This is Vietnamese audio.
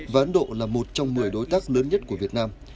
và ấn độ là một trong một mươi đối tác lớn nhất của việt nam